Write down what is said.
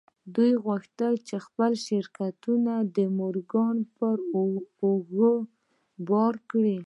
دوی غوښتل خپل شرکتونه د مورګان پر اوږو بار کړي.